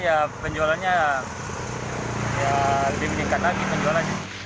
ya penjualannya ya lebih meningkat lagi penjualannya